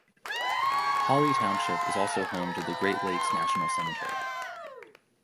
Holly Township is also home to the Great Lakes National Cemetery.